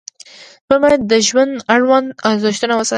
ژوند باید د ژوند اړوند ارزښتونه وساتي.